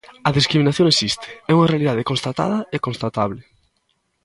A discriminación existe, é unha realidade constatada e constatable.